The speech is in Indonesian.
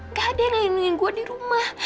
nggak ada yang melindungi gue di rumah